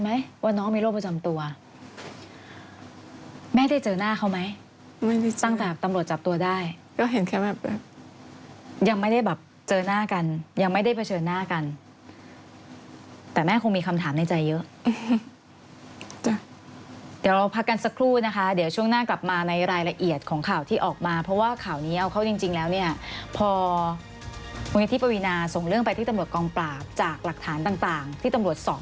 ไม่มีค่ะตั้งแต่ตำรวจจับตัวได้ก็เห็นแค่แบบยังไม่ได้แบบเจอหน้ากันยังไม่ได้เผชิญหน้ากันแต่แม่คงมีคำถามในใจเยอะเดี๋ยวเราพักกันสักครู่นะคะเดี๋ยวช่วงหน้ากลับมาในรายละเอียดของข่าวที่ออกมาเพราะว่าข่าวนี้เอาเขาจริงแล้วเนี่ยพอวันนี้ที่ประวินาส่งเรื่องไปที่ตำรวจกองปราบจากหลักฐานต